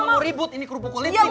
gue ga mau ribut ini kerupuk kulit nih